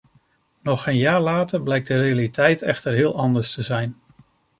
Nog geen jaar later blijkt de realiteit echter heel anders te zijn.